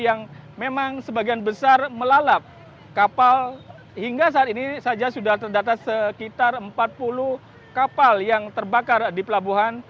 yang memang sebagian besar melalap kapal hingga saat ini saja sudah terdata sekitar empat puluh kapal yang terbakar di pelabuhan